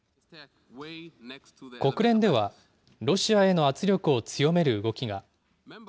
国連では、ロシアへの圧力を強める動きが。